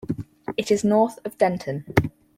It is north of Denton.